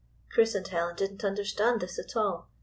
Chris and Helen did n't understand this at all.